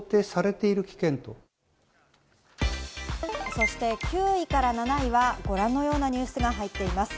そして９位７位はご覧のようなニュースが入っています。